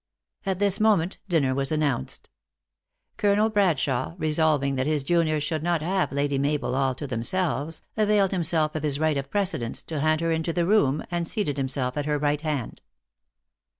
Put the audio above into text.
At this moment dinner was announced. Colonel Bradshawe, resolving that his juniors should not have Lady Mabel all to themselves, availed himself of his right of precedence, to hand her into the room, and seated himself at her right hand.